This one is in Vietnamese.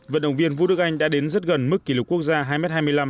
vận động viên vũ đức anh đã đến rất gần mức kỷ lục quốc gia hai m hai mươi năm